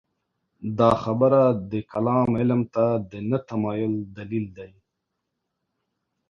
دا خبره د کلام علم ته د نه تمایل دلیل دی.